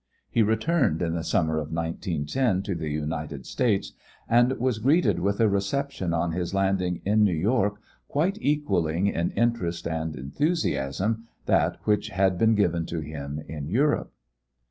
He returned in the summer of 1910 to the United States and was greeted with a reception on his landing in New York quite equaling in interest and enthusiasm that which had been given to him in Europe.